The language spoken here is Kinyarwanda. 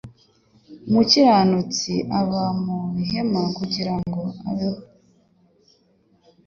umukiranutsi ajya kuba mu mahema kugira ngo abeho